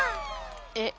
えっ。